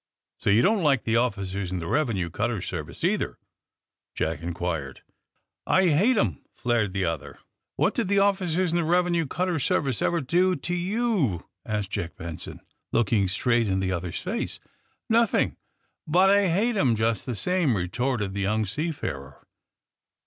*^So you don't like the officers in the revenue cutter service, either?" Jack Benson inquired. *'I hate 'em!" flared the other. '^What did the officers of the revenue cutter service ever do to you?" asked Jack Benson, looking straight into the other's face. Nothing, but I hate 'em just the same," re torted the young seafarer.